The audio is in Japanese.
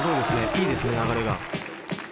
いいですね流れが。